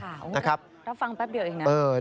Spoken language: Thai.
ถามข่าวครับรับฟังแป๊บเดี๋ยวอย่างนั้น